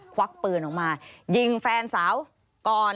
ควักปืนออกมายิงแฟนสาวก่อน